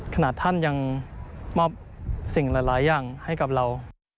ขนาดท่านยังมอบสิ่งหลายอย่างให้กับเรา